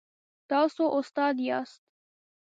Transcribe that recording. تاسو استاد یاست؟